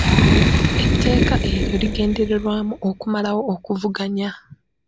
Etteeka eryo ligendererwamu okumalawo okuvuganya.